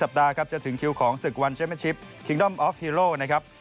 ปัดครับจะถึงคิวของศึกวันเชมเป็นชิปคิงด้อมออฟฮีโร่นะครับ